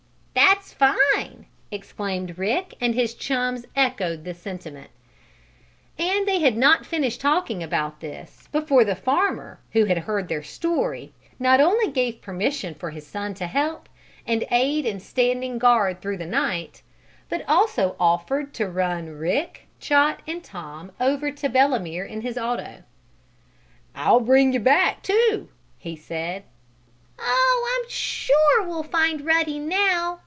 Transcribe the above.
"That's fine!" exclaimed Rick and his chums echoed this sentiment. And they had not finished talking about this before the farmer, who had heard their story, not only gave permission for his son to help, and aid in standing guard through the night, but also offered to run Rick, Chot and Tom over to Belemere in his auto. "I'll bring you back, too!" he said. "Oh, I'm sure we'll find Ruddy now!"